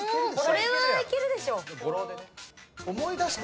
これはいけるでしょ。